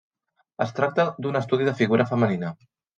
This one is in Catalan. Es tracta d'un estudi de figura femenina.